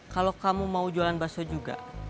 kalau kamu mau jualan bakso juga